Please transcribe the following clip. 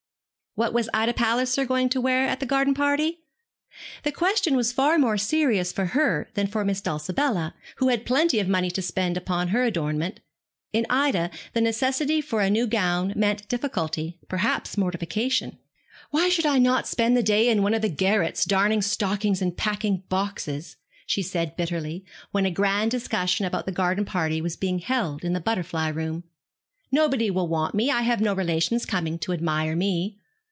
What was Ida Palliser going to wear at the garden party? The question was far more serious for her than for Miss Dulcibella, who had plenty of money to spend upon her adornment. In Ida the necessity for a new gown meant difficulty, perhaps mortification. 'Why should I not spend the day in one of the garrets, darning stockings and packing boxes?' she said bitterly, when a grand discussion about the garden party was being held in the butterfly room; 'nobody will want me. I have no relations coming to admire me.'